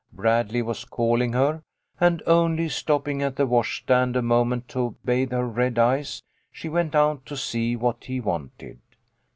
Bradley was calling her, and only stopping at the wash stand a moment to bathe her red eyes, she went out to see what he wanted.